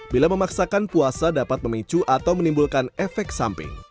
bila memaksakan puasa dapat memicu atau menimbulkan efek samping